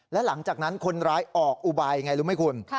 และหลังจากนั้นคนร้ายออกอุบายอย่างไรรู้ไหมคุณ